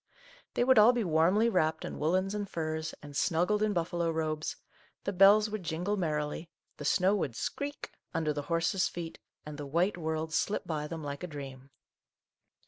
They would all be warmly wrapped in wool lens and furs, and snuggled in buffalo robes ; the bells would jingle merrily, the snow would " skreak " under the horses' feet, and the white world slip by them like a dream.